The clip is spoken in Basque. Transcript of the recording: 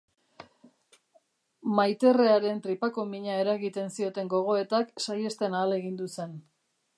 Maiterrearen tripako mina eragiten zioten gogoetak saihesten ahalegindu zen.